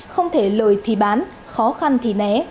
không thể lời thì bán khó khăn thì né